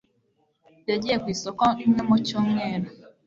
Yagiye ku isoko rimwe mu cyumweru.